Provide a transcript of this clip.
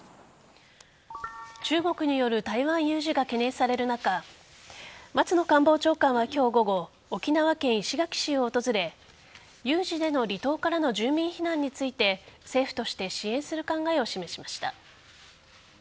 中国による台湾有事が懸念される中松野官房長官は今日午後沖縄県石垣市を訪れ有事での離島からの住民避難について政府として支援する考えを示しました。